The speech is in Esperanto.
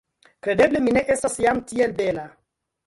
Kredeble mi ne estas jam tiel bela!